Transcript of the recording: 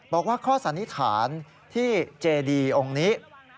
บอกว่าข้อสันนิษฐานที่เจดีองค์นี้